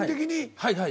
はいはい。